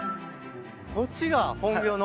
こっちが本業の。